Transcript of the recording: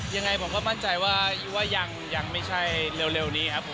ยังไงผมก็มั่นใจว่ายังไม่ใช่เร็วนี้ครับผม